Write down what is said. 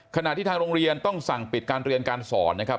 ขณะที่ทางโรงเรียนต้องสั่งปิดการเรียนการสอนนะครับ